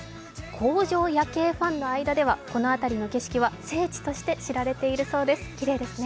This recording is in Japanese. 工場夜景ファンの間ではこの辺りの夜警は聖地として知られているそうです、きれいですね。